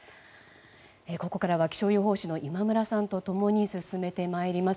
ここからは気象予報士の今村さんと共に進めて参ります。